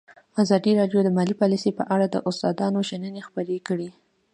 ازادي راډیو د مالي پالیسي په اړه د استادانو شننې خپرې کړي.